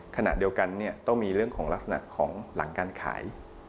ขณะเดียวกันต้องมีเรื่องของลักษณะของหลังการขาย